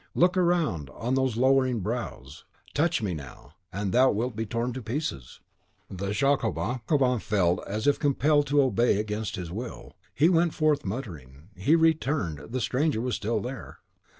Look round on those lowering brows; touch me NOW, and thou wilt be torn to pieces." The Jacobin felt as if compelled to obey against his will. He went forth muttering; he returned, the stranger was still there.